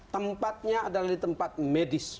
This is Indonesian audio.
tempatnya adalah di tempat medis